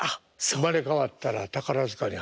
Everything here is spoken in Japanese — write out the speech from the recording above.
生まれ変わったら宝塚に入りたい。